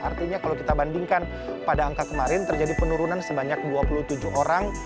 artinya kalau kita bandingkan pada angka kemarin terjadi penurunan sebanyak dua puluh tujuh orang